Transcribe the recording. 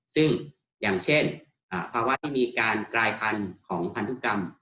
ซึ่งอย่างเช่นภาวะที่มีการกลายพันธุ์ของพันธุกรรม